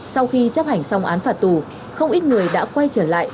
sau khi chấp hành xong án phạt tù không ít người đã quay trở lại